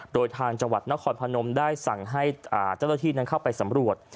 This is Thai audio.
โดยทางจังหวัดนครพนมได้สั่งให้เจ้าหน้าที่นั้นเข้าไปสำรวจ